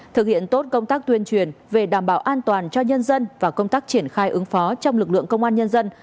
thực hiện tốt công tác tuyên truyền về đảm bảo an toàn cho nhân dân và công tác triển khai ứng phó trong lực lượng công an nhân dân